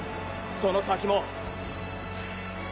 その先も。